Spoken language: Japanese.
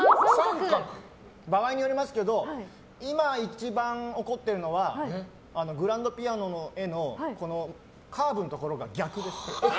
場合によりますけど今、一番怒ってるのはグランドピアノの絵のカーブのところが逆です。